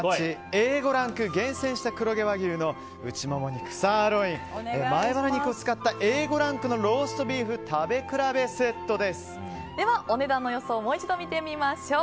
Ａ５ランク、厳選した黒毛和牛の内もも肉、サーロイン前バラ肉を使ったＡ５ランクのローストビーフお値段の予想をもう一度見てみましょう。